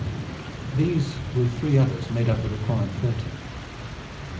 These with three others made up the required thirty.